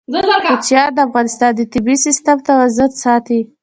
کوچیان د افغانستان د طبعي سیسټم توازن ساتي.